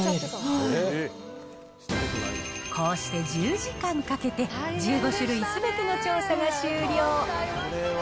こうして１０時間かけて、１５種類すべての調査が終了。